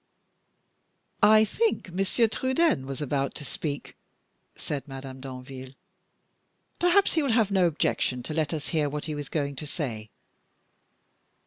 "I think Monsieur Trudaine was about to speak," said Madame Danville. "Perhaps he will have no objection to let us hear what he was going to say."